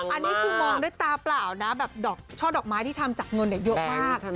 อันนี้คือมองด้วยตาเปล่านะแบบช่อดอกไม้ที่ทำจากเงินเยอะมาก